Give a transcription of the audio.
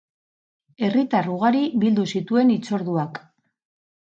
Herritar ugari bildu zituen hitzorduak.